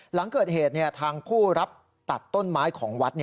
หลังเกิดเหตุทางผู้รับตัดต้นไม้ของวัด